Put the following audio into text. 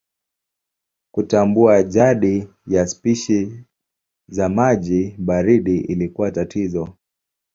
Kutambua jadi ya spishi za maji baridi ilikuwa tatizo.